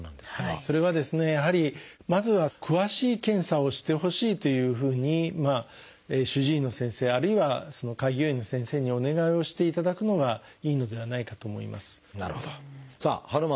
それはですねやはりまずは詳しい検査をしてほしいというふうに主治医の先生あるいは開業医の先生にお願いをしていただくのがいいのではないかと思います。